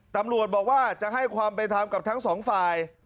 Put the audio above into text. ตำรวจบอกว่าจะให้ความเป็นธรรมกับทั้งสองฝ่าย